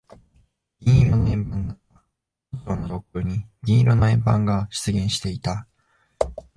銀色の円盤だった。都庁の上空に銀色の円盤が出現していた。